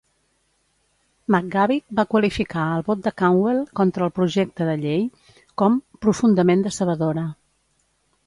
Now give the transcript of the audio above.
McGavick va qualificar el vot de Cantwell contra el projecte de llei com "profundament decebedora".